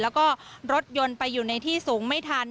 แล้วก็รถยนต์ไปอยู่ในที่สูงไม่ทัน